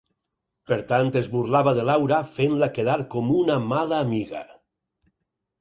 Per tant, es burlava de Laura fent-la quedar com una mala amiga.